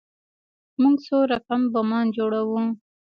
موږ څو رقم بمان جوړوو.